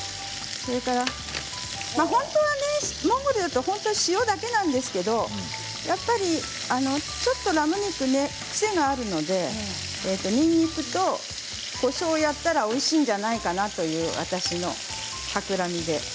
本当はね、モンゴルでは塩だけなんですけれどやっぱりラム肉はちょっと癖があるのでにんにくとこしょうをやったらおいしいんじゃないかなという私のたくらみで。